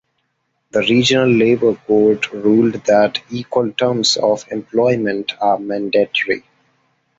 The Regional Labor Court ruled that equal terms of employment are mandatory.